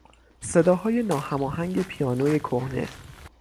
صداهای ناهماهنگ پیانوی کهنه